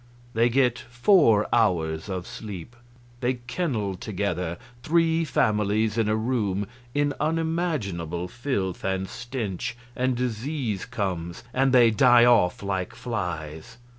They get four hours of sleep. They kennel together, three families in a room, in unimaginable filth and stench; and disease comes, and they die off like flies.